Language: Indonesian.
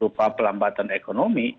rupa pelambatan ekonomi